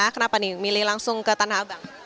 kenapa nih milih langsung ke tanah abang